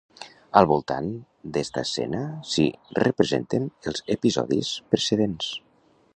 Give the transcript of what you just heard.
Al voltant d'esta escena s'hi representen els episodis precedents.